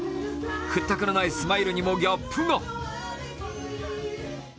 屈託のないスマイルにもギャップが。